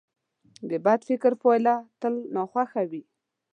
د بد فکر پایله تل ناخوښه وي.